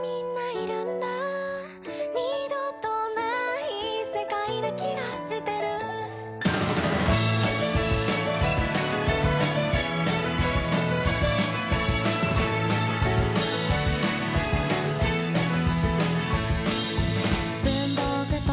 「二度とない世界な気がしてる」「文房具と時計